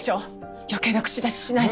余計な口出ししないで。